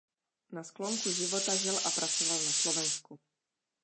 Na sklonku života žil a pracoval na Slovensku.